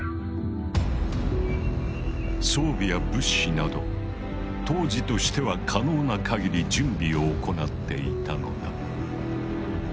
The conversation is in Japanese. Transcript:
装備や物資など当時としては可能な限り準備を行っていたのだ。